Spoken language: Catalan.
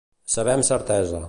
Saber amb certesa.